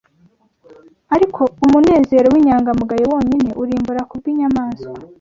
Ariko umunezero w'inyangamugayo Wonyine urimbura Kubwinyamanswa